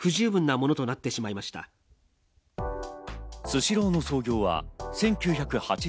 スシローの創業は１９８４年。